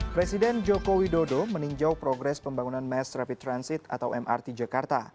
presiden joko widodo meninjau progres pembangunan mass rapid transit atau mrt jakarta